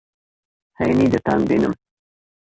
ھەینی دەتانبینم.